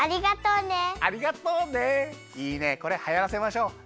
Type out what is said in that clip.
いいねこれはやらせましょう！